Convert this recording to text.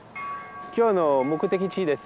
今日の目的地です